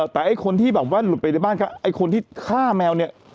แต่ไอ้คนที่แบบว่าหลุดไปในบ้านไอ้คนที่ฆ่าแมวเนี่ย